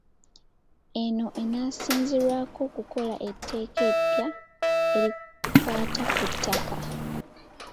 Eno enaasinzirwako okukola etteeka eppya erikwata ku ttaka.